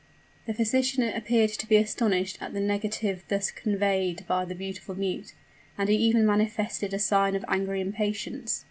The physician appeared to be astonished at the negative thus conveyed by the beautiful mute; and he even manifested a sign of angry impatience.